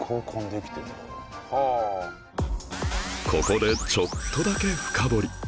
ここでちょっとだけ深掘り